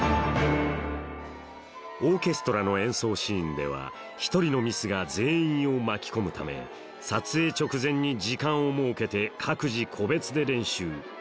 オーケストラの演奏シーンでは１人のミスが全員を巻き込むため撮影直前に時間を設けて各自個別で練習